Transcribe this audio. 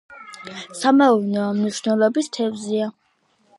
სამეურნეო მნიშვნელობის თევზია.